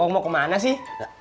kong mau ke mana sih